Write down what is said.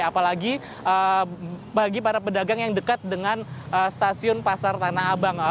apalagi bagi para pedagang yang dekat dengan stasiun pasar tanah abang